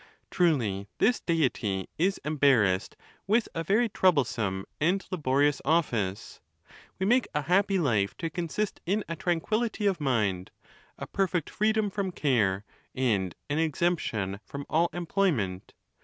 Truly this Deity is em barrassed with a very troublesome and laborious office. We make a happy life to consist in a tranquillity of mind, a perfect freedom from care, and an exemption from all employment.